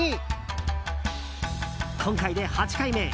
今回で８回目。